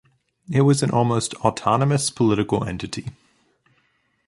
It was an almost autonomous political entity.